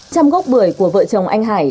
trăm gốc bưởi của vợ chồng anh hải